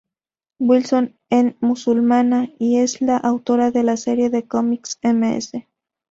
Wilson es musulmana, y es la autora de la serie de cómics "Ms.